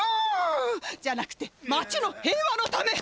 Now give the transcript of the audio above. じゃなくて町の平和のため！